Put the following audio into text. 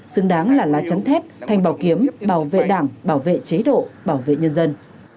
xứng đáng là lá chắn thép thành bảo kiếm bảo vệ đảng bảo vệ chế độ bảo vệ nhân dân